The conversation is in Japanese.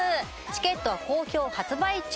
チケットは好評発売中